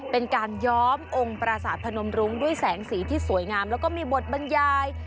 เป็นการย้อมองค์ประสาทพนมรุ้งด้วยแสงสีที่สวยงามแล้วก็มีบทบรรยาย